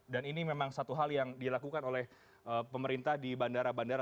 dan ini memang satu hal yang dilakukan oleh pemerintah di bandara bandara